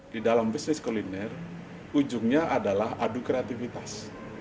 di dalam bisnis kuliner ujungnya adalah adu kreativitas